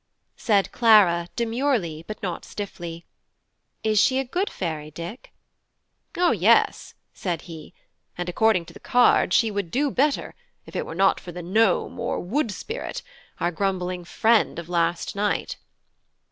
Said Clara demurely, but not stiffly: "Is she a good fairy, Dick?" "O, yes," said he; "and according to the card, she would do better, if it were not for the gnome or wood spirit, our grumbling friend of last night."